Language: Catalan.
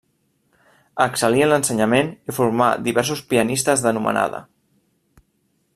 Excel·lí en l'ensenyament, i formà diversos pianistes d'anomenada.